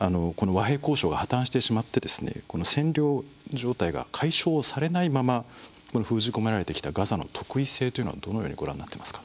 この和平交渉が破綻してしまって占領状態が解消されないまま封じ込められてきたガザの特異性というのはどのようにご覧になっていますか。